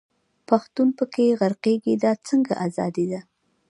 پښتون په کښي غرقېږي، دا څنګه ازادي ده.